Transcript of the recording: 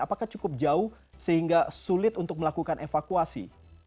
apakah cukup jauh sehingga sulit untuk melakukan evakuasi